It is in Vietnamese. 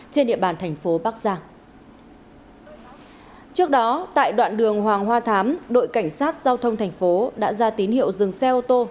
công an tp bắc giang đang tạm giữ nguyễn thanh tâm vi phạm nồng độ cồn